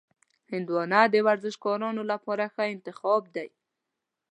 هندوانه د ورزشکارانو لپاره ښه انتخاب دی.